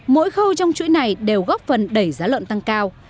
mỗi khâu trong chuỗi này đều góp phần đẩy giá lợn tăng cao